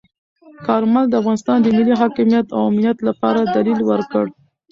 کارمل د افغانستان د ملي حاکمیت او امنیت لپاره دلیل ورکړ.